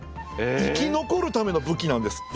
「生き残るための武器なんです」って。